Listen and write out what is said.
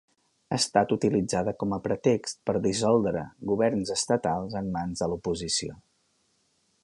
Ha estat utilitzada com a pretext per dissoldre governs estatals en mans de l’oposició.